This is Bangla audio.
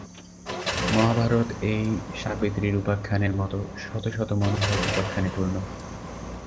মহাভারত এই সাবিত্রীর উপাখ্যানের মত শত শত মনোহর উপাখ্যানে পূর্ণ।